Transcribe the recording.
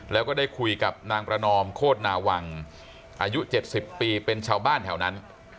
แล้วก็ได้คุยกับนางประนอมโคตรนาวังอายุ๗๐ปีเป็นชาวบ้านแถวนั้น